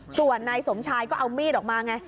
ส่วนนายสมชายก็เอามีดออกมาไง